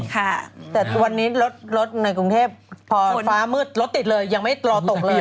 ค่ะแต่วันนี้รถในกรุงเทพพอฟ้ามืดรถติดเลยยังไม่รอตกเลย